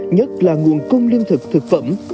nhất là nguồn công liên thực thực phẩm